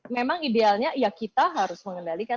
memang idealnya ya kita harus mengendalikan